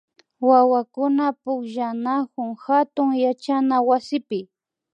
Wawakuna pukllanakun hatun yachana wasipi